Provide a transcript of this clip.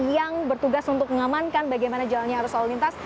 yang bertugas untuk mengamankan bagaimana jalannya arus tol lintas